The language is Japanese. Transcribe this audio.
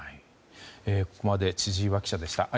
ここまで千々岩記者でした。